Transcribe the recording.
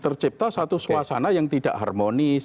tercipta satu suasana yang tidak harmonis